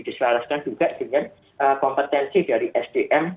diselaraskan juga dengan kompetensi dari sdm